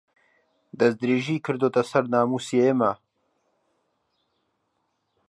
دەستدرێژی کردووەتە سەر ناموسی ئێمە